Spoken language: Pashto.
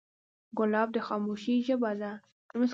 ګلاب د خاموشۍ ژبه ده.